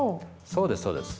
そうですそうです。